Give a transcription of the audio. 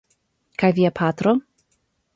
Kaj via patro?